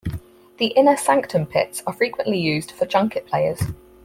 The "Inner Sanctum" pits are frequently used for junket players.